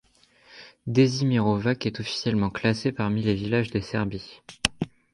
Desimirovac est officiellement classé parmi les villages de Serbie.